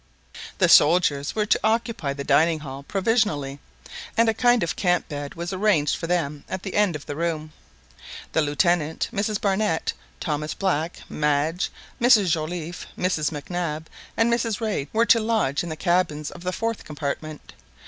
The soldiers were to occupy the dining hall provisionally, and a kind of camp bed was arranged for them at the end of the room. The Lieutenant, Mrs Barnett, Thomas Black, Madge, Mrs Joliffe, Mrs Mac Nab, and Mrs Rae were to lodge in the cabins of the fourth compartment.